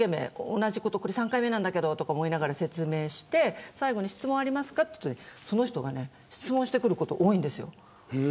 ３回目なんだけどと思いながら説明して最後に質問ありますかと言うとその人が質問してくることが多いんです。